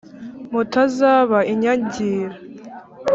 Mutazaba inyagira